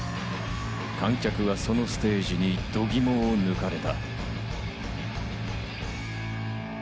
観客はそのステージに度肝を抜かれた。